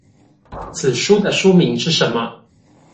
此書的書名是什麼？